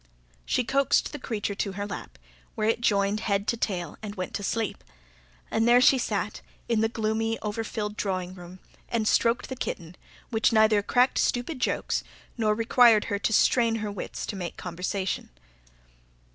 She coaxed the creature to her lap, where it joined head to tail and went to sleep. And there she sat, in the gloomy, overfilled drawing room, and stroked the kitten, which neither cracked stupid jokes nor required her to strain her wits to make conversation.